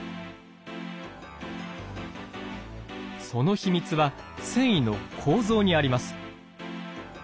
その秘密は繊維の構造にあります。